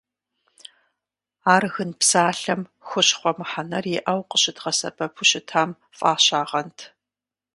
Ар «гын» псалъэм «хущхъуэ» мыхьэнэр иӏэу къыщыдгъэсэбэпу щытам фӏащагъэнт.